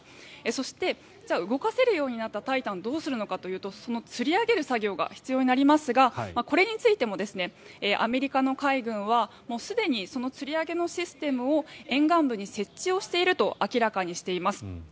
そして、動かせるようになった「タイタン」をどうするのかというとつり上げる作業が必要になりますがこれについてもアメリカの海軍はすでにそのつり上げのシステムを沿岸部に設置をしていると明らかにしています。